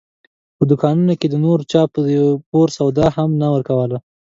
په دوکانونو کې نور چا په پور سودا هم نه ورکوله.